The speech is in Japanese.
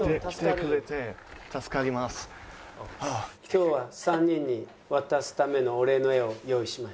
「今日は３人に渡すためのお礼の画を用意しました」。